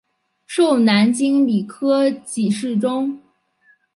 授南京礼科给事中。